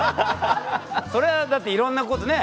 それはだっていろんなことね